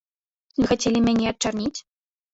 Вы хацелі мяне ачарніць?